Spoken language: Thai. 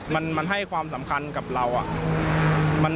มันให้ความสำคัญกับเรา